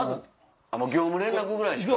業務連絡ぐらいしか？